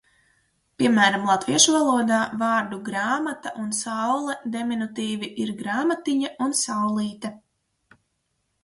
"Piemēram, latviešu valodā vārdu "grāmata" un "saule" deminutīvi ir "grāmatiņa" un "saulīte"."